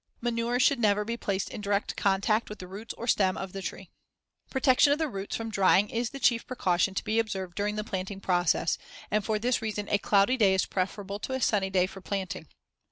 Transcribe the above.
Manure should never be placed in direct contact with the roots or stem of the tree. Protection of the roots from drying is the chief precaution to be observed during the planting process, and for this reason a cloudy day is preferable to a sunny day for planting.